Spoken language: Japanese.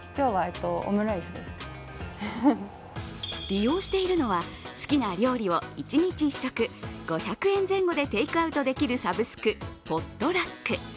利用しているのは、好きな料理を一日１食、５００円前後でテークアウトできるサブスク、ポットラック。